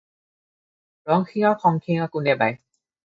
ৰংশিঙা খংশিঙা কোনে বায়?